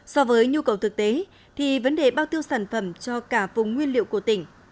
so với nhu cầu thực tế thì vấn đề bao tiêu sản phẩm cho cả vùng nguyên liệu của tỉnh